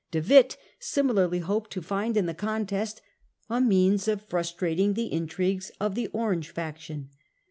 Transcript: De Witt similarly hoped to find in the con test a means of frustrating the intrigues of the Orange faction.